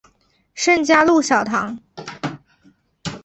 圣嘉禄小堂。